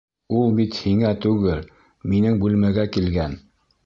Ул бит һиңә түгел, минең бүлмәгә килгән.